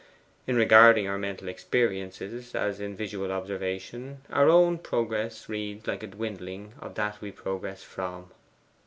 In regarding our mental experiences, as in visual observation, our own progress reads like a dwindling of that we progress from.